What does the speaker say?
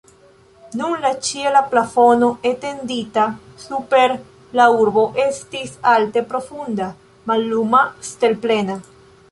Nun la ĉiela plafono etendita super la urbo estis alte profunda, malluma, stelplena.